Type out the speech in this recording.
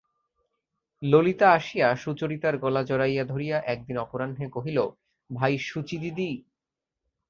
ললিতা আসিয়া সুচরিতার গলা জড়াইয়া ধরিয়া একদিন অপরাহ্নে কহিল, ভাই সুচিদিদি!